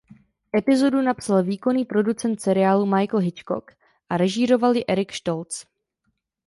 Epizodu napsal výkonný producent seriálu Michael Hitchcock a režíroval ji Eric Stoltz.